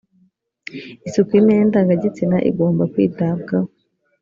isuku y ‘imyanya ndangagitsina igomba kwitabwaho.